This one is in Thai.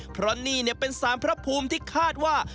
เพราะนี่เป็นสารพระภูมิที่คาดว่า